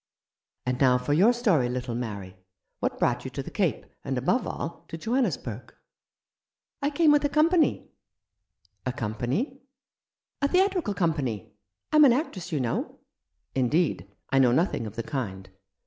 And now for your story, little Mary. What brought you to the Cape ; and, above all, to Johannesburg ?"" I came with a company." " A company ?" 5 Rough Justice. "A theatrical company. I'm an actress, you know." " Indeed, I know nothing of the kind.